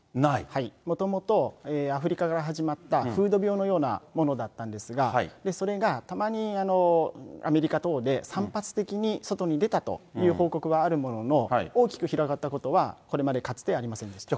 もともと、アフリカから始まった風土病のようなものだったんですが、それがたまにアメリカ等で散発的に外に出たという報告はあるものの、大きく広がったことは、これまでかつてありませんでした。